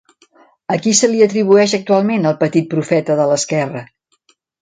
A qui se li atribueix actualment el Petit profeta de l'esquerra?